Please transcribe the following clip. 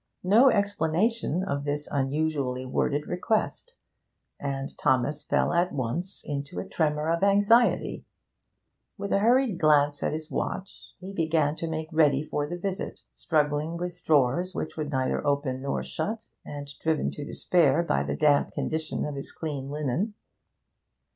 No explanation of this unusually worded request; and Thomas fell at once into a tremor of anxiety. With a hurried glance at his watch, he began to make ready for the visit, struggling with drawers which would neither open nor shut, and driven to despair by the damp condition of his clean linen.